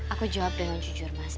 aku jawab dengan jujur mas